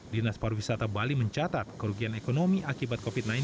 dinas pariwisata bali mencatat kerugian ekonomi akibat covid sembilan belas